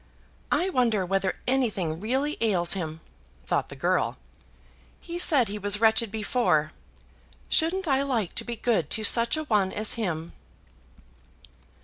"I wonder whether anything really ails him?" thought the girl. "He said he was wretched before. Shouldn't I like to be good to such a one as him!"